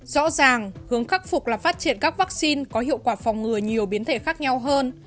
rõ ràng hướng khắc phục là phát triển các vaccine có hiệu quả phòng ngừa nhiều biến thể khác nhau hơn